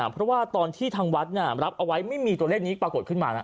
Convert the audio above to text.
เพราะว่าตอนที่ทางวัดรับเอาไว้ไม่มีตัวเลขนี้ปรากฏขึ้นมานะ